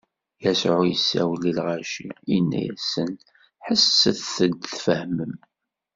Yasuɛ isawel i lɣaci, inna-asen: Ḥesset-d tfehmem!